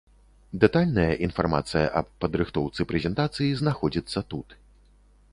Дэтальная інфармацыя аб падрыхтоўцы прэзентацыі знаходзіцца тут.